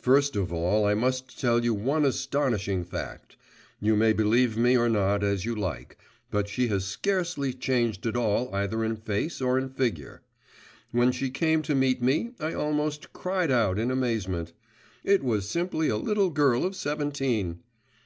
First of all I must tell you one astonishing fact: you may believe me or not as you like, but she has scarcely changed at all either in face or in figure. When she came to meet me, I almost cried out in amazement; it was simply a little girl of seventeen!